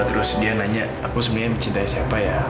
terus dia nanya aku sebenarnya mencintai siapa ya